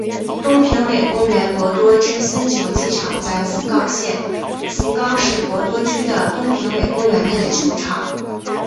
东平尾公园博多之森球技场在福冈县福冈市博多区的东平尾公园内的球场。